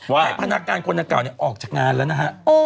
ให้พนักงานคนนางเก่าออกจากงานแล้วนะฮะ